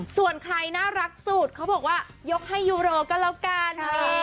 ส่วนใครน่ารักสุดเขาบอกว่ายกให้ยูโรก็แล้วกัน